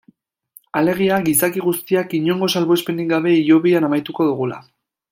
Alegia, gizaki guztiak inongo salbuespenik gabe hilobian amaituko dugula.